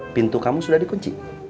pintu kamu sudah dikunci